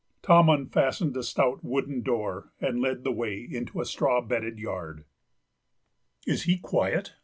Tom unfastened a stout wooden door and led the way into a straw bedded yard. "Is he quiet?"